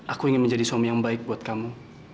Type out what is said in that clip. aku ingin menjadi suami yang baik buat kamu